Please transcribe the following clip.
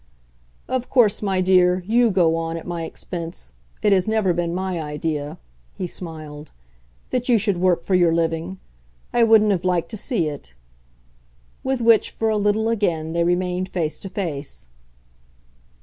"Of course, my dear, YOU go on at my expense: it has never been my idea," he smiled, "that you should work for your living. I wouldn't have liked to see it." With which, for a little again, they remained face to face.